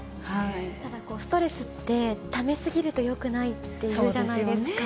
ただ、ストレスって、ため過ぎると、よくないっていうじゃないですか。